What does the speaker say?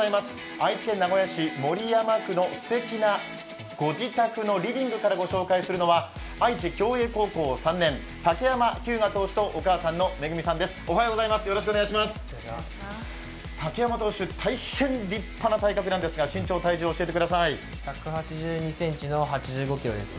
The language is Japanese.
愛知県名古屋市守山区のすてきなご自宅のリビングからご紹介するのは愛知享栄高校２年、竹山日向投手とお母さんのめぐみさんです。